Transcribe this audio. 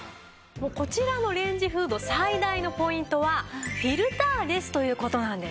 こちらのレンジフード最大のポイントはフィルターレスという事なんです。